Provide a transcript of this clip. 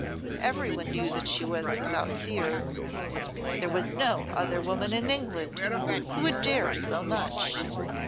Everyone knew that she was without fear. There was no other woman in England who would dare so much.